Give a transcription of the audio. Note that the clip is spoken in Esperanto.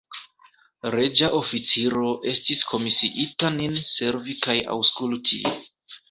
Reĝa oficiro estis komisiita nin servi kaj aŭskulti.